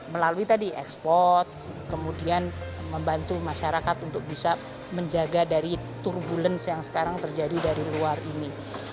melalui tadi ekspor kemudian membantu masyarakat untuk bisa menjaga dari turbulensi yang sekarang terjadi dari luar ini